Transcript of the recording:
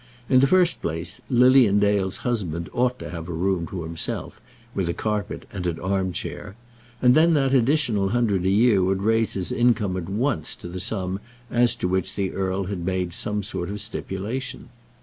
In the first place, Lilian Dale's husband ought to have a room to himself, with a carpet and an arm chair; and then that additional hundred a year would raise his income at once to the sum as to which the earl had made some sort of stipulation.